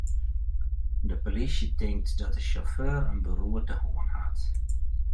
De polysje tinkt dat de sjauffeur in beroerte hân hat.